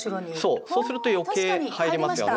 そうそうすると余計入りますよね。